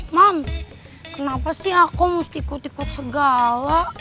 mam kenapa aku harus ikut ikut segala